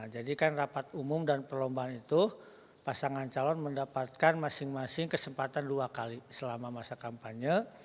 jadi kan rapat umum dan perlombaan itu pasangan calon mendapatkan masing masing kesempatan dua kali selama masa kampanye